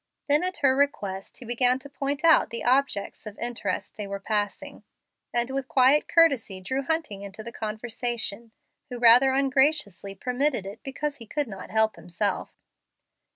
Then at her request he began to point out the objects of interest they were passing, and with quiet courtesy drew Hunting into the conversation, who rather ungraciously permitted it because he could not help himself.